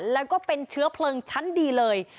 แล้วก็เป็นเชื้อเพลิงชั้นดีเลย